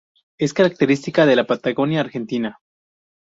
Es característica de la Patagonia Argentina.